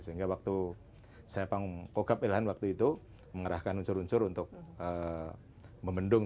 sehingga waktu saya pogap ilhan waktu itu mengerahkan unsur unsur untuk membendung